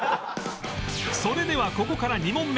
それではここから２問目